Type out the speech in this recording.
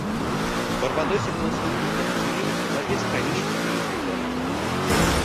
В Барбадосе было создано подразделение по борьбе с хроническими неинфекционными заболеваниями.